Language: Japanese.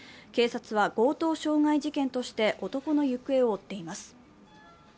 警察は強盗傷害事件として男の行方を追っています。